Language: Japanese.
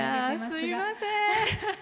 すいません。